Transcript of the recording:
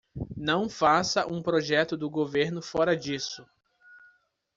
Não faça um projeto do governo fora disso!